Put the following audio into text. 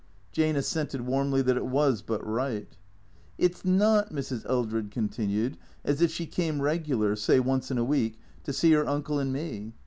Jane assented warmly that it was but right. " It 's not," Mrs. Eldred continued, " as if she came reg'lar, say once in a week, to see 'er uncle and me.